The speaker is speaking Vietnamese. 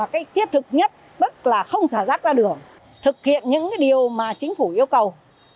cái thiết thực nhất tức là không xả rác ra đường thực hiện những điều mà chính phủ yêu cầu